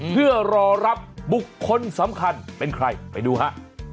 เพื่อรอรับบุคคลสำคัญเป็นใครไปดูฮะ